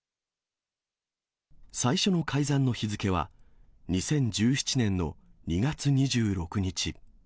最初の改ざんの日付は、２０１７年の２月２６日。